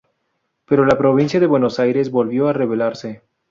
Pero la provincia de Buenos Aires volvió a rebelarse.